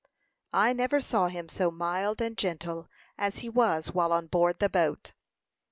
"I never saw him so mild and gentle as he was while on board the boat."